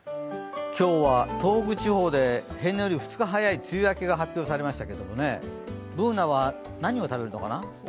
今日は東北地方で平年より２日早い梅雨明けが発表されましたけどＢｏｏｎａは、何を食べるのかな？